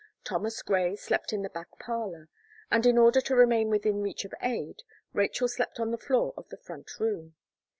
Thomas Gray slept in the back parlour; and in order to remain within reach of aid, Rachel slept on the floor of the front room.